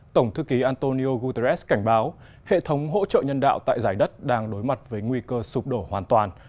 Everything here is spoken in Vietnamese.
tổng thư ký antonio guterres cảnh báo hệ thống hỗ trợ nhân đạo tại giải đất đang đối mặt với nguy cơ sụp đổ hoàn toàn